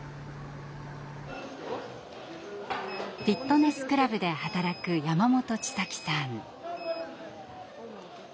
フィットネスクラブで働く山本千咲さん。